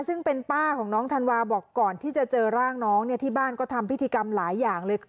ซึ่งเป็นป้าของน้องธันวาบอกก่อนที่จะเจอร่างน้องเนี่ยที่บ้านก็ทำพิธีกรรมหลายอย่างเลย